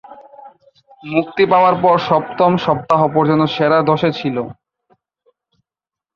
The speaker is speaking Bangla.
মুক্তি পাওয়ার পর সপ্তম সপ্তাহ পর্যন্ত সেরা দশে ছিল।